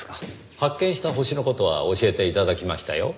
発見した星の事は教えて頂きましたよ。